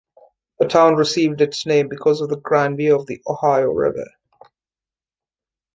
The town received its name because of the "grand view" of the Ohio River.